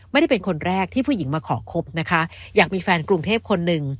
ไม่ได้เป็นคนแรกที่ผู้หญิงมาขอคบนะคะอยากมีแฟนกรุงเทพคนหนึ่ง